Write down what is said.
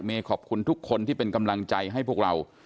ขอบคุณทุกคนที่เป็นกำลังใจให้พวกเรา